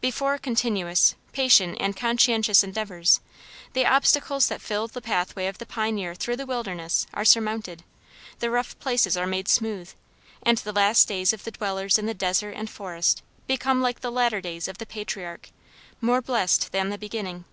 Before continuous, patient, and conscientious endeavors, the obstacles that fill the pathway of the pioneer through the wilderness are surmounted, the rough places are made smooth, and the last days of the dwellers in the desert and forest become like the latter days of the patriarch, "more blessed than the beginning."